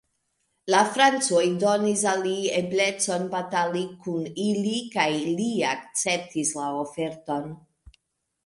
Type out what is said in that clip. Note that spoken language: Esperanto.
La Francoj donis al li eblecon batali kun ili kaj li akceptis la oferton.